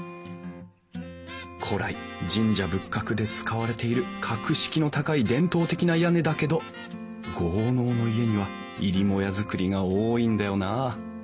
古来神社仏閣で使われている格式の高い伝統的な屋根だけど豪農の家には入母屋造りが多いんだよなあ。